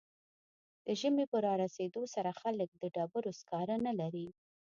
د ژمي په رارسیدو سره خلک د ډبرو سکاره نلري